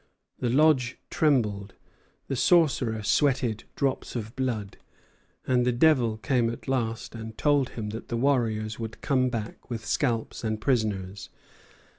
The lodge trembled, the sorcerer sweated drops of blood, and the devil came at last and told him that the warriors would come back with scalps and prisoners.